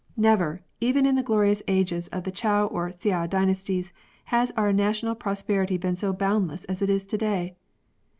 Never, even in the glorious ages of the Chou or Hsia dynasties, has our national prosperity been so boundless as it is to day.